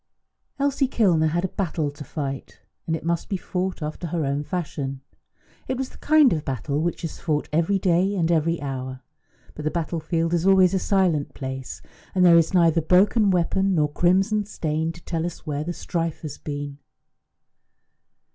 Elsie Kilner had a battle to fight, and it must be fought after her own fashion. It was the kind of battle which is fought every day and every hour; but the battlefield is always a silent place, and there is neither broken weapon nor crimson stain to tell us where the strife has been.